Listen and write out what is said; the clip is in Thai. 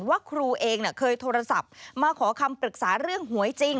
ว่าครูเองเคยโทรศัพท์มาขอคำปรึกษาเรื่องหวยจริง